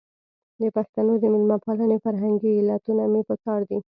د پښتنو د مېلمه پالنې فرهنګي علتونه مې په کار دي.